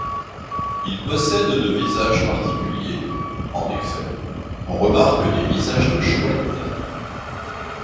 Ils possèdent de visage particulier, en effet, on remarque des visages de chouette.